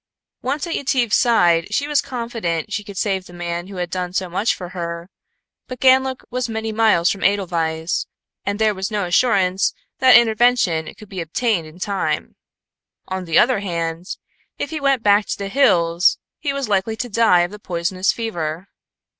Once at Yetive's side she was confident she could save the man who had done so much for her, but Ganlook was many miles from Edelweiss, and there was no assurance that intervention could be obtained in time. On the other hand, if he went back to the hills he was likely to die of the poisonous fever.